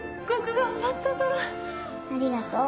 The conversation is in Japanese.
ありがとう。